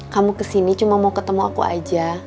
kamu kesini cuma mau ketemu aku aja